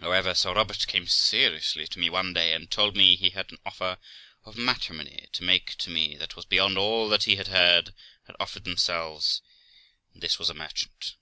However, Sir Robert came seriously to me one day, and told me he had an offer of matrimony to make to me that was beyond all that he had heard had offered themselves, and this was a merchant.